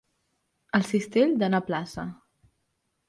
El cistell d'anar a plaça.